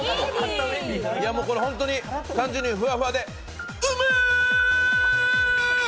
本当に単純にふわふわで、うめ！